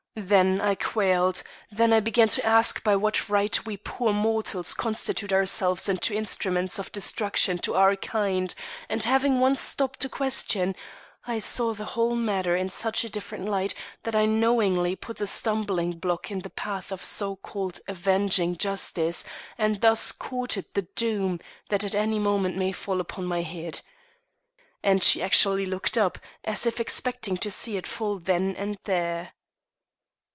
Then I quailed; then I began to ask by what right we poor mortals constitute ourselves into instruments of destruction to our kind, and having once stopped to question, I saw the whole matter in such a different light that I knowingly put a stumbling block in the path of so called avenging justice, and thus courted the doom that at any moment may fall upon my head." And she actually looked up, as if expecting to see it fall then and there.